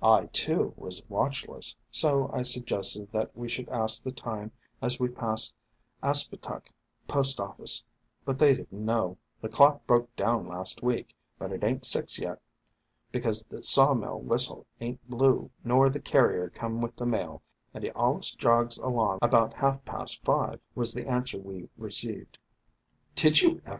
I too was watchless, so I suggested that we should ask the time as we passed Aspetuck post office, but they did n't know: "The clock broke *" THE FANTASIES OF FERNS 215 down last week. But it ain't six yet, because the sawmill whistle ain't blew nor the carrier come with the mail, and he allus jogs along about half past five," was the answer we received. "Did you ever?